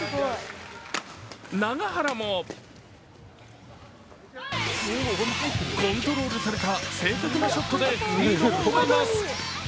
永原もコントロールされた正確なショットでリードを奪います。